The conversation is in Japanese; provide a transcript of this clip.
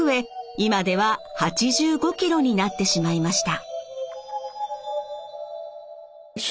今では８５ｋｇになってしまいました。